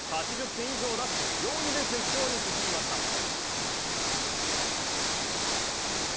８０点以上を出し、４位で決勝に進みました。